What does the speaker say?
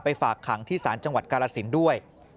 ไปฝากขังที่สารจังหวัดกาลศิลป์ด้วย